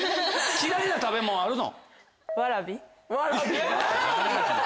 嫌いな食べ物あるの？